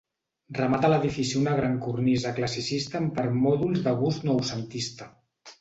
Remata l'edifici una gran cornisa classicista amb permòdols de gust noucentista.